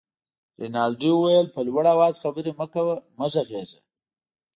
رینالډي وویل: په لوړ آواز خبرې مه کوه، مه غږېږه.